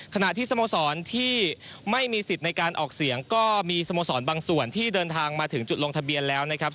ขณะที่สโมสรที่ไม่มีสิทธิ์ในการออกเสียงก็มีสโมสรบางส่วนที่เดินทางมาถึงจุดลงทะเบียนแล้วนะครับ